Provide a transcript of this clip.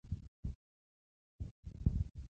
د واکسین کارت وساتئ.